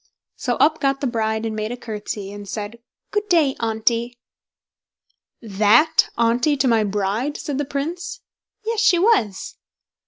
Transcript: So up got the bride and made a curtsey, and said: "Good day, Auntie." "That Auntie to my bride?" said the Prince. "Yes, she was!"